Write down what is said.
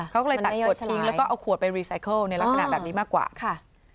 เขาก็เลยตัดขวดทิ้งแล้วก็เอาขวดไปรีไซเคิลในลักษณะแบบนี้มากกว่าค่ะ